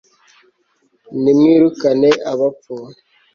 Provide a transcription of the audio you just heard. NTIMWIRUKANE ABAPFU